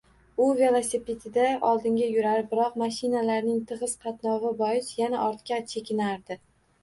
U velosipedida oldinga yurar, biroq mashinalarning tig`iz qatnovi bois yana ortga chekinardi